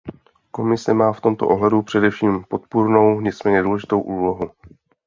Komise má v tomto ohledu především podpůrnou, nicméně důležitou úlohu.